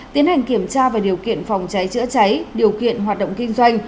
tiến hành kiểm tra về điều kiện phòng cháy chữa cháy điều kiện hoạt động kinh doanh